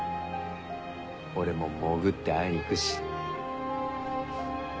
俺も潜って会いに行くし。